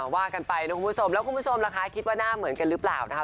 ว่ากันไปนะคุณผู้ชมแล้วคุณผู้ชมล่ะคะคิดว่าหน้าเหมือนกันหรือเปล่านะคะ